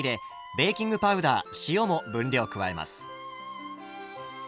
ベーキングパウダー塩も分量加えます。